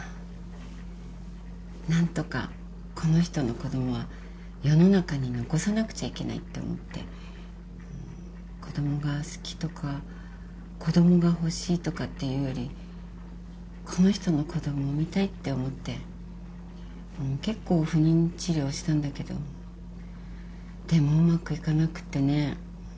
何とかこの人の子供は世の中に残さなくちゃいけないって思って子供が好きとか子供が欲しいとかっていうよりこの人の子供を産みたいって思って結構不妊治療したんだけどでもうまくいかなくてね。